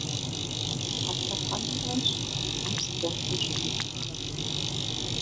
А лъэхъэнэращ ар спортым щыдихьэхар.